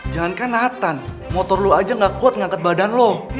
jangankan natan motor lo aja gak kuat ngangkat badan lo